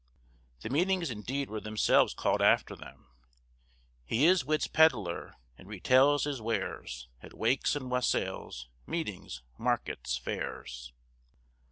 The meetings indeed were themselves called after them— "He is wit's peddler, and retails his wares At wakes and wassels, meetings, markets, fairs."